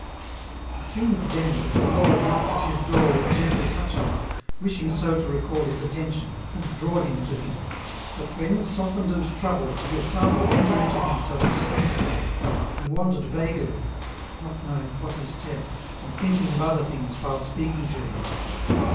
It seemed then that the Lord knocked at his door with gentle touches, wishing so to recall his attention, and draw him to Him ; but when, softened and troubled, Durtal would enter into himself to seek God, he wandered vaguely, not knowing what he said, and thinking of other things while speaking to Him.